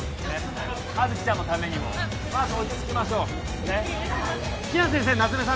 葉月ちゃんのためにもまず落ち着きましょう比奈先生夏梅さん